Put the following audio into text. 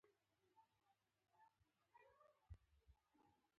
هغه وویل بې حسي د ژوند کولو لپاره شرط ده